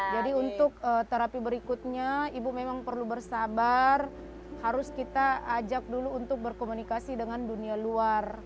jadi untuk terapi berikutnya ibu memang perlu bersabar harus kita ajak dulu untuk berkomunikasi dengan dunia luar